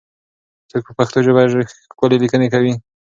څوک په پښتو ژبه ښکلې لیکنې کوي؟